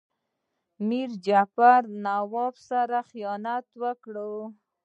میر جعفر له نواب سره خیانت وکړ.